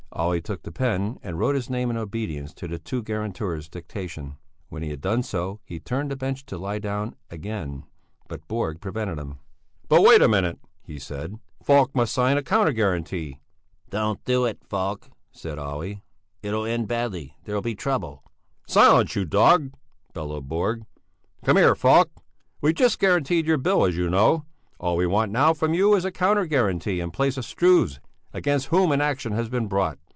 Olle took the pen and wrote his name in obedience to the two guarantors' dictation. When he had done so, he turned to the bench to lie down again but Borg prevented him. "Wait a minute," he said, "Falk must first sign a counter guarantee." "Don't do it, Falk," said Olle; "it'll end badly, there'll be trouble." "Silence, you dog," bellowed Borg. "Come here, Falk! We've just guaranteed your bill, as you know; all we want now from you is a counter guarantee in place of Struve's, against whom an action has been brought."